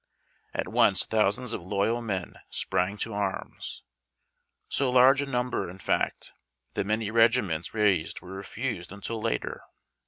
At once thousands of loyal men sprang to arms — so large a number, in fact, that many regiments raised Avere refused until later.